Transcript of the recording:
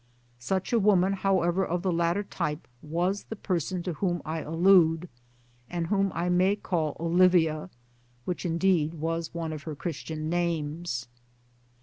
Such a woman, however, of the latter type, was the person to whom I allude, and whom I may call Olivia (which indeed was one of her Christian names).